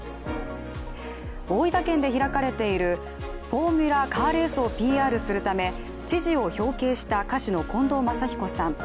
大分県で開かれているフォーミュラカーレースをＰＲするため知事を表敬した歌手の近藤真彦さん。